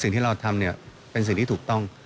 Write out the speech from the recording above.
สิ่งที่เราทำเนี่ยเป็นสิ่งที่ถูกต้อง